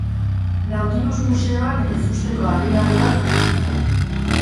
Nautilus museoan ezusteko harrigari bat duzu zain.